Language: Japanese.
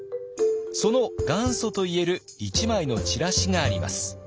その元祖といえる１枚のチラシがあります。